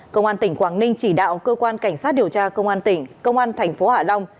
công an tỉnh quảng ninh chỉ đạo cơ quan cảnh sát điều tra công an tỉnh công an thành phố hạ long